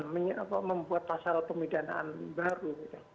membuat pasal pemidahan baru